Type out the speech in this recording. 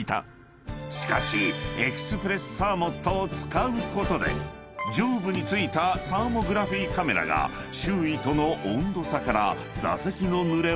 ［しかしエクスプレスサーモットを使うことで上部に付いたサーモグラフィーカメラが周囲との温度差から座席のぬれを自動検知］